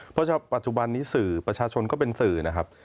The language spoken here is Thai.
เพราะปัจจุบันนี้สื่อประชาชนก็เป็นสื่อนะครับ